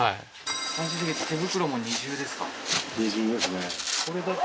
最終的に手袋も二重ですか？